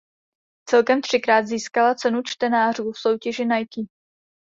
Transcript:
Celkem třikrát získala cenu čtenářů v soutěži Nike.